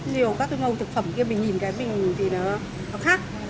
nhiều các cái màu thực phẩm kia mình nhìn cái mình thì nó khác